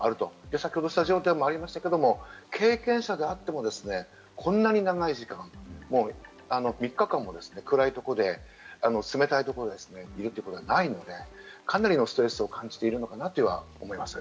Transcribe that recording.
先ほどスタジオでもありましたけど、経験者であってもこんなに長い時間、３日間も暗いところで冷たいところにいるということはないので、かなりのストレスを感じているのかなとは思います。